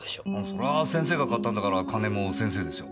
そらあ先生が買ったんだから金も先生でしょ。